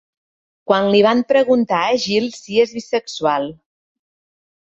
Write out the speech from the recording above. Quan li van preguntar a Gill si és bisexual.